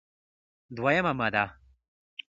دوه یمه ماده: